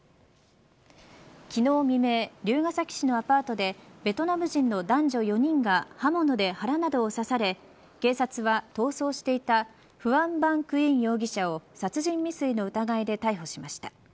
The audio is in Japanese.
昨日未明、竜ケ崎市のアパートでベトナム人の男女４人が刃物で腹などを刺され警察は逃走していたファン・バン・クィン容疑者を殺人未遂の疑いで逮捕しました。